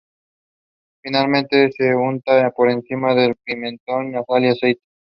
Finalmente se unta por encima con pimentón, sal y aceite.